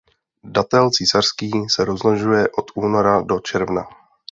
Datel císařský se rozmnožuje od února do června.